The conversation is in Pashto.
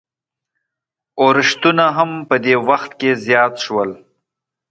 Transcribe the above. اورښتونه هم په دې وخت کې زیات شول.